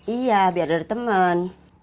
iya biar ada temen